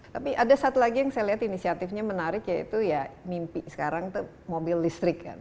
tapi ada satu lagi yang saya lihat inisiatifnya menarik yaitu ya mimpi sekarang itu mobil listrik kan